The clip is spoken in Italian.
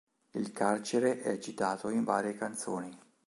Il carcere è citato in varie canzoni.